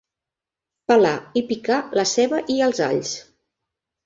Pelar i picar la ceba i els alls.